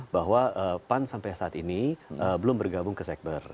bahwa pan sampai saat ini belum bergabung ke sekber